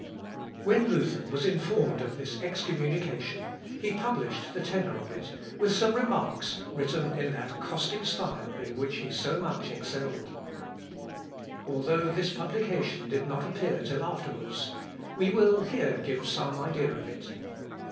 When Luther was informed of this excommunication, he published the tenor of it, with some remarks, written in that caustic style in which he so much excelled. Although this publication did not appear till afterwards, we will here give some idea of it.